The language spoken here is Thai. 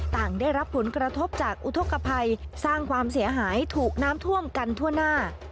ต่างได้รับผลกระทบจากอุทธกภัยสร้างความเสียหายถูกน้ำท่วมกันทั่วหน้า